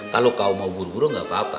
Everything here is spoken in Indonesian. kalau kau mau buru buru gak apa apa